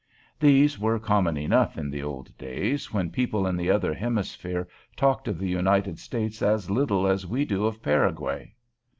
These were common enough in the old days, when people in the other hemisphere talked of the United States as little as we do of Paraguay.